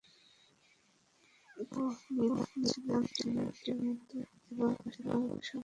Plutonium ছিল একটি নতুন এবং অস্বাভাবিক পদার্থ।